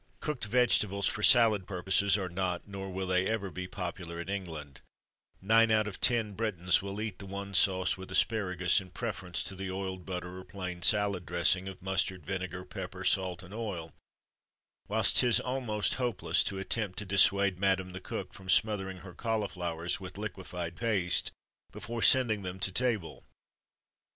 Cooked vegetables, for salad purposes, are not, nor will they ever be, popular in England, Nine out of ten Britains will eat the "one sauce" with asparagus, in preference to the oiled butter, or plain salad dressing, of mustard, vinegar, pepper, salt, and oil; whilst 'tis almost hopeless to attempt to dissuade madame the cook from smothering her cauliflowers with liquefied paste, before sending them to table.